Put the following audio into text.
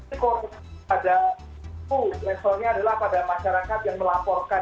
ini koreksi pada itu resornya adalah pada masyarakat yang melaporkan